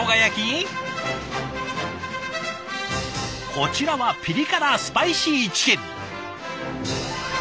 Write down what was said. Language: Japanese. こちらはピリ辛スパイシーチキン。